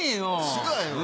違うよ。